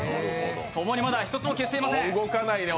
共にまだ１つも消していません。